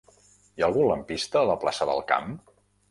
Hi ha algun lampista a la plaça del Camp?